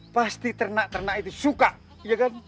pasti ternak ternak itu suka ya kan